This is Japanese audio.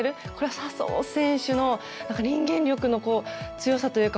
笹生選手の人間力の強さというか